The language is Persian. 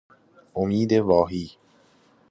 امید واهی